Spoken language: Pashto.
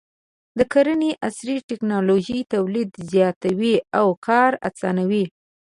د کرنې عصري ټکنالوژي تولید زیاتوي او کار اسانوي.